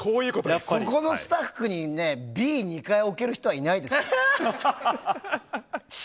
ここのスタッフにＢに２回置ける人はいないですよ。